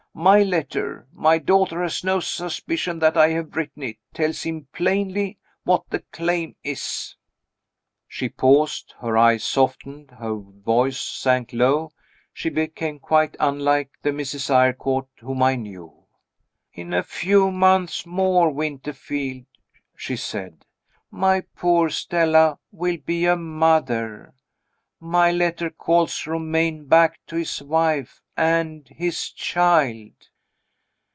My letter my daughter has no suspicion that I have written it tells him plainly what the claim is." She paused. Her eyes softened, her voice sank low she became quite unlike the Mrs. Eyrecourt whom I knew. "In a few months more, Winterfield," she said, "my poor Stella will be a mother. My letter calls Romayne back to his wife _and his child."